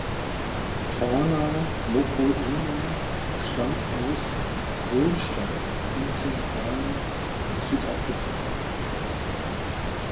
Fana Mokoena stammt aus Kroonstad im zentralen Südafrika.